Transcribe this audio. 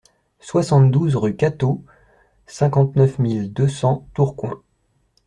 soixante-douze rUE CATTEAU, cinquante-neuf mille deux cents Tourcoing